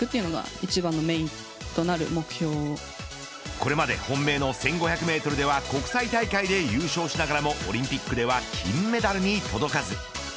これまで本命の１５００メートルでは国際大会で優勝しながらもオリンピックでは金メダルに届かず。